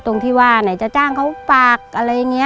ตรงที่ว่าในจะจ้างเขาฝากบ้าง